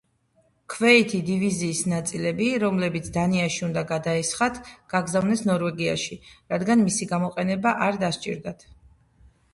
ქვეითი დივიზიის ნაწილები, რომლებიც დანიაში უნდა გადაესხათ, გაგზავნეს ნორვეგიაში, რადგან მისი გამოყენება არ დასჭირდათ.